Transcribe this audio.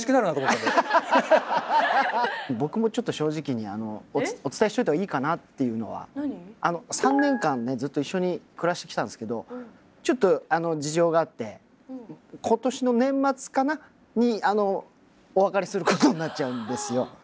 僕もちょっと正直にお伝えしといた方がいいかなっていうのはあの３年間ねずっと一緒に暮らしてきたんですけどちょっと事情があって今年の年末かなお別れすることになっちゃうんですよ。